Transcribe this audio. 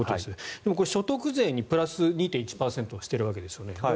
でも所得税にプラス２．１％しているわけですよね。